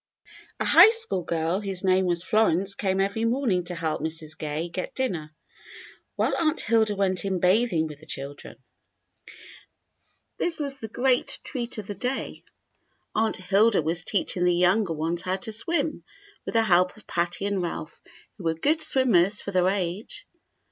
A high school girl whose name was Florence came every morning to help Mrs. Gay get dinner, while Aunt Hilda went in bathing with the children. This 80 THE BLUE AUNT was the great treat of the day. Aunt Hilda was teach ing the younger ones how to swim, with the help of Patty and Ralph, who were good swimmers for their age.